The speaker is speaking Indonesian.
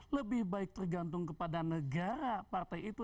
lebih baik tergantung kepada negara partai itu